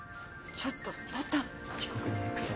ちょっとボタン。